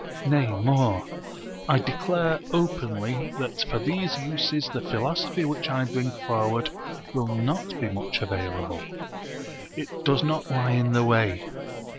Nay more, I declare openly that for these uses the philosophy which I bring forward will not be much available. It does not lie in the way.